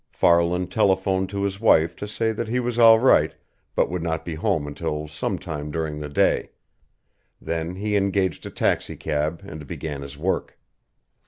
Farland telephoned to his wife to say that he was all right, but would not be home until some time during the day. Then he engaged a taxicab and began his work.